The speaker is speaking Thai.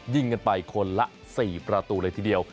ยิงกันไปคนละ๔ประตูเลยทีเดียว